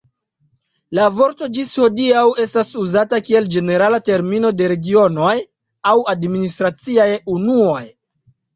La vorto ĝis hodiaŭ estas uzata kiel ĝenerala termino de regionoj aŭ administraciaj unuoj.